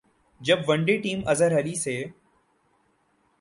جب one day team Azhar Ali سے